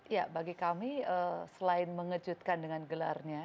ya bagi kami selain mengejutkan dengan gelarnya